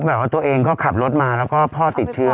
แบบว่าตัวเองก็ขับรถมาแล้วก็พ่อติดเชื้อ